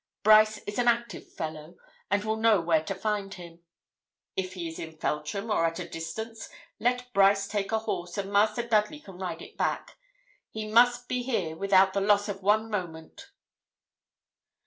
Brice is an active fellow, and will know where to find him. If he is in Feltram, or at a distance, let Brice take a horse, and Master Dudley can ride it back. He must be here without the loss of one moment.'